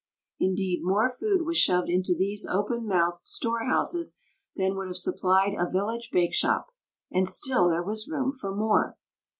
Indeed, more food was shoved into those open mouthed storehouses than would have supplied a village bakeshop, and still there was room for more.